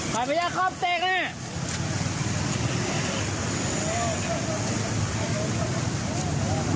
ฝ่ายพญาคำเตรกน่ะ